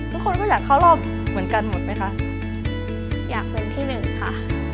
ทุกคนก็อยากเข้ารอบเหมือนกันหมดไหมคะอยากเป็นที่หนึ่งค่ะ